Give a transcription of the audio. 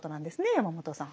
山本さん。